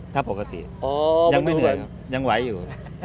ถ้าปกติยังไม่เหนื่อยครับยังไหวอยู่